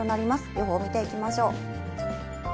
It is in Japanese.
予報見ていきましょう。